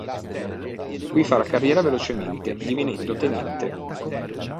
Qui farà carriera velocemente divenendo tenente.